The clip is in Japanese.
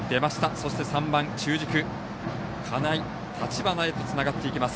そして、３番の中軸金井、立花へとつながっていきます。